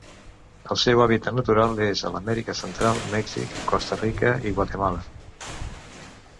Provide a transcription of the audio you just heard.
El seu hàbitat natural és a l'Amèrica Central, Mèxic, Costa Rica i Guatemala.